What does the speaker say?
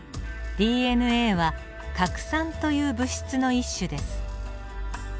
ＤＮＡは核酸という物質の一種です。